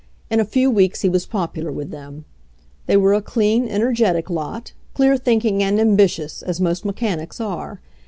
In a few weeks he was popular with them. They were a clean, energetic lot, clear think ing and ambitious, as most mechanics are.